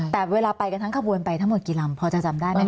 แต่เวลาไปกันทั้งขบวนไปทั้งหมดกี่ลำพอจะจำได้ไหมค